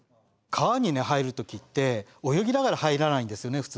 川にね入る時って泳ぎながら入らないんですよね普通ね。